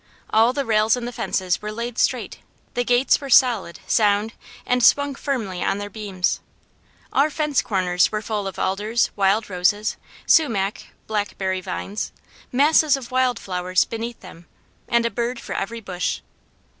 All the rails in the fences were laid straight, the gates were solid, sound, and swung firmly on their beams, our fence corners were full of alders, wild roses, sumac, blackberry vines, masses of wild flowers beneath them, and a bird for every bush.